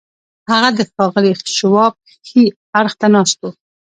هغه د ښاغلي شواب ښي اړخ ته ناست و